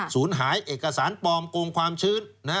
ศูนย์หายเอกสารปลอมโกงความชื้น